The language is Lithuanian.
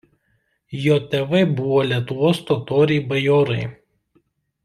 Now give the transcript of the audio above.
Jo tėvai buvo Lietuvos totoriai bajorai.